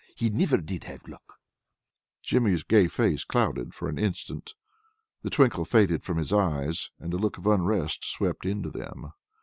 He niver did have luck." Jimmy's gay face clouded for an instant. The twinkle faded from his eyes, and a look of unrest swept into them.